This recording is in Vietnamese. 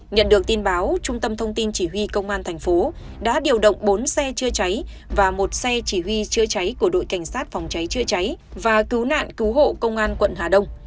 nhận được tin báo trung tâm thông tin chỉ huy công an thành phố đã điều động bốn xe chữa cháy và một xe chỉ huy chữa cháy của đội cảnh sát phòng cháy chữa cháy và cứu nạn cứu hộ công an quận hà đông